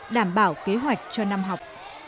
đảm bảo kế hoạch cho năm học